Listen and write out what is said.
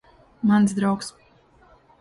Mans draugs.